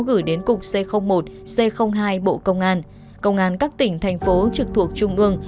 gửi đến cục c một c hai bộ công an công an các tỉnh thành phố trực thuộc trung ương